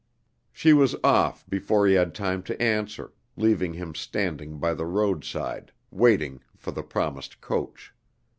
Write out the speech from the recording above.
She was off before he had time to answer, leaving him standing by the roadside, waiting for the promised coach.